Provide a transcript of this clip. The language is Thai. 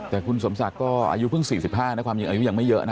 แต่คุณสมศักดิ์ก็อายุเพิ่ง๔๕นะความจริงอายุยังไม่เยอะนะ